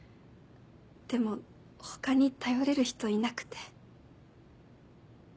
でも他に頼れる人いなくて。